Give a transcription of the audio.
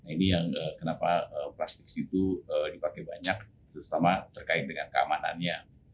ini yang kenapa plastik itu dipakai banyak terutama terkait dengan keamanannya